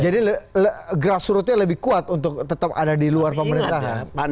jadi gerasurutnya lebih kuat untuk tetap ada di luar pemerintahan